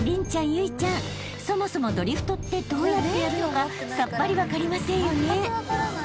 有以ちゃんそもそもドリフトってどうやってやるのかさっぱり分かりませんよね？］